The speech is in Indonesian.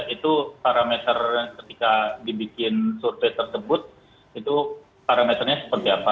itu parameter ketika dibikin survei tersebut itu parameternya seperti apa